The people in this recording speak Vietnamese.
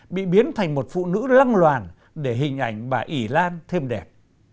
bị biến thành một phụ nữ lăng loàn để hình ảnh bà ỉ lan thêm đẹp